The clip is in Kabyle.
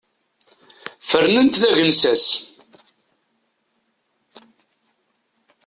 Fernen-t d agensas.